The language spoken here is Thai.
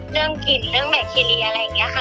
เรื่องกลิ่นเรื่องแบคทีเรียอะไรอย่างนี้ค่ะ